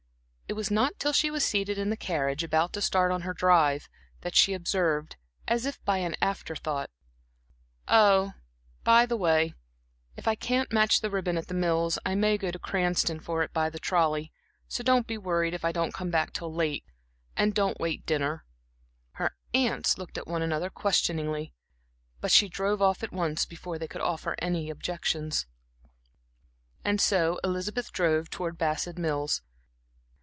It was not till she was seated in the carriage about to start on her drive, that she observed as if by an afterthought: "Oh, by the way, if I can't match the ribbon at The Mills, I may go to Cranston for it by the trolley, so don't be worried if I don't come back till late, and don't wait dinner." Her aunts looked at one another questioningly; but she drove off at once, before they could offer any objections. And so Elizabeth drove towards Bassett Mills.